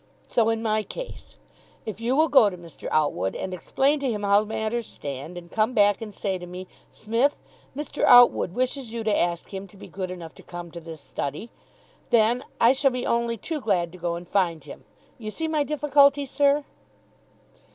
So in my case. If you will go to Mr. Outwood, and explain to him how matters stand, and come back and say to me, 'Psmith, Mr. Outwood wishes you to ask him to be good enough to come to this study,' then I shall be only too glad to go and find him. You see my difficulty, sir?"